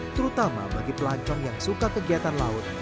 terutama bagi pelancong yang suka kegiatan laut